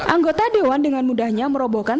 anggota dewan dengan mudahnya merobohkan